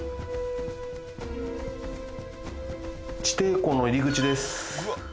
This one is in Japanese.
地底湖の入り口です。